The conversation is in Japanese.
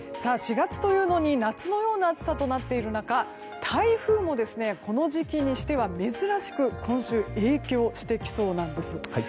４月というのに夏のような暑さとなっている中台風も、この時期にしては珍しく今週、影響してきそうなんです。